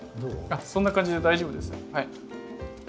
そんな感じで大丈夫です。